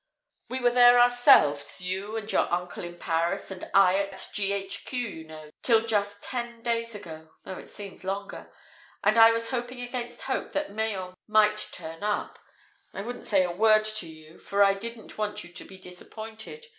"We were there ourselves you and your uncle in Paris, and I at G.H.Q. you know, till just ten days ago though it seems longer. And I was hoping against hope that Mayen might turn up. I wouldn't say a word to you, for I didn't want you to be disappointed.